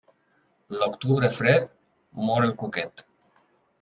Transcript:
L'octubre fred, mor el cuquet.